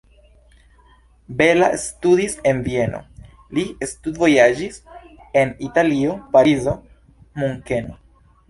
Balla studis en Vieno, li studvojaĝis en Italio, Parizo, Munkeno.